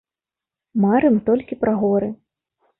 Марым толькі пра горы.